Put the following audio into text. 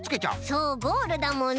そうゴールだもんね。